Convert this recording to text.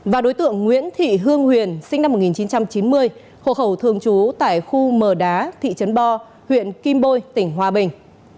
và đối tượng nguyễn thị hương huyền sinh năm một nghìn chín trăm chín mươi hồ hầu thường trú tại khu mờ đá thị trấn bo huyện kim bôi tỉnh hòa bình